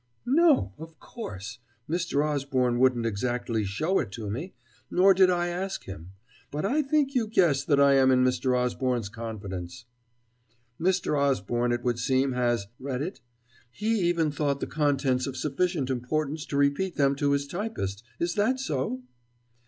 "No, of course, Mr. Osborne wouldn't exactly show it to me, nor did I ask him. But I think you guess that I am in Mr. Osborne's confidence." "Mr. Osborne, it would seem, has read it? He even thought the contents of sufficient importance to repeat them to his typist? Is that so?"